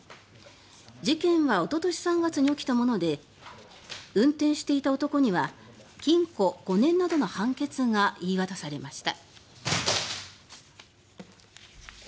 事件はおととし３月に起きたもので運転していた男には禁錮５年などの判決が言い渡されました。